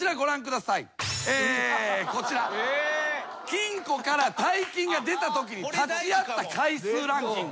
金庫から大金が出たときに立ち会った回数ランキング。